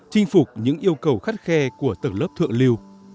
chinh phục những yêu cầu khắt khe của tầng lớp thượng lưu